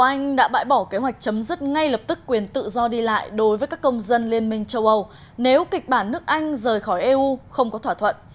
tổng thống trump đã bại bỏ kế hoạch chấm dứt ngay lập tức quyền tự do đi lại đối với các công dân liên minh châu âu nếu kịch bản nước anh rời khỏi eu không có thỏa thuận